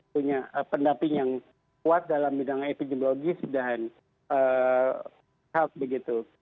punya pendamping yang kuat dalam bidang epidemiologis dan health begitu